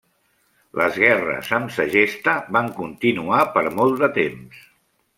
Les guerres amb Segesta van continuar per molt de temps.